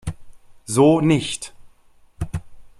So nicht!